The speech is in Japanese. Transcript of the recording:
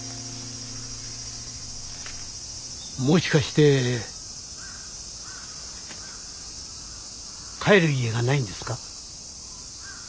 もしかして帰る家がないんですか？